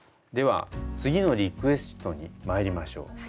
では次のリクエストにまいりましょう。